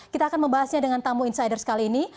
kita akan membahasnya dengan tamu insider sekali ini